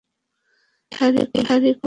বিহারী কহিল, হায় হায়!